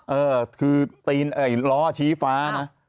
เออคือรอชี้ฟ้านะ